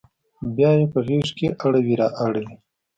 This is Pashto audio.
بیا یې په غیږ کې اړوي را اوړي